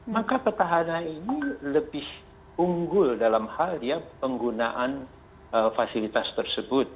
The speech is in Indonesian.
maka petahana ini lebih unggul dalam hal ya penggunaan fasilitas tersebut